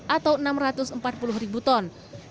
atau enam ratus empat puluh ribu ton